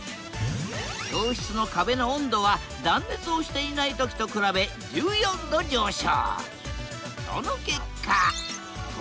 教室の壁の温度は断熱をしていない時と比べ１４℃上昇。